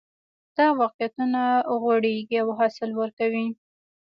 دا واقعیتونه غوړېږي او حاصل ورکوي